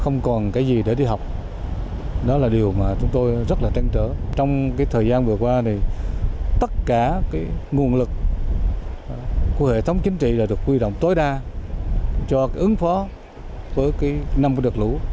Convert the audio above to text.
ngoài ra nguồn lực của hệ thống chính trị đã được quy đồng tối đa cho ứng phó với năm vừa đợt lũ